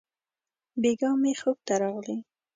بېګاه مي خوب ته راغلې!